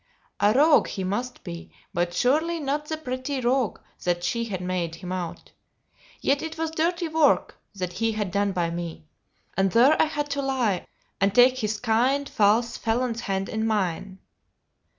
A rogue he must be, but surely not the petty rogue that she had made him out. Yet it was dirty work that he had done by me; and there I had to lie and take his kind, false, felon's hand in mine.